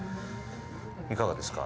いかがですか。